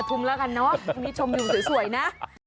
ทุ่มแล้วกันเนาะที่นี่ชมอยู่สวยนะ